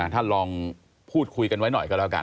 ท่านลองพูดคุยกันไว้หน่อยก็แล้วกัน